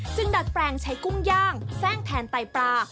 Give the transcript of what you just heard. ดัดแปลงใช้กุ้งย่างแทร่งแทนไตปลา